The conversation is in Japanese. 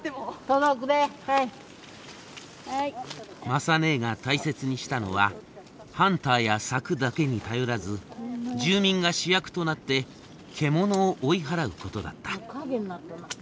雅ねえが大切にしたのはハンターや柵だけに頼らず住民が主役となって獣を追い払うことだった。